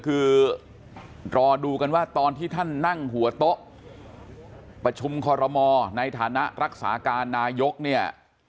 คือรอดูกันว่าตอนที่ท่านนั่งหัวโต๊ะประชุมคอรมอในฐานะรักษาการนายกเนี่ย